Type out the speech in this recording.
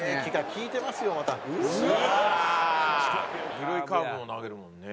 緩いカーブも投げるもんね」